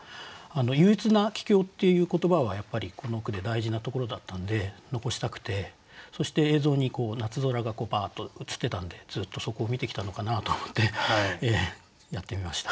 「憂鬱な帰京」っていう言葉はやっぱりこの句で大事なところだったんで残したくてそして映像に夏空がバーッと映ってたんでずっとそこを見てきたのかなと思ってやってみました。